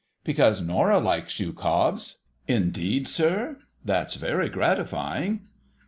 ' Because Norah likes you, Cobbs.' ' Indeed, sir ? That's very gratifying.'